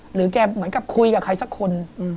หรือแกเหมือนกับคุยกับใครสักคน